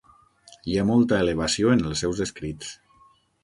Hi ha molta elevació en els seus escrits.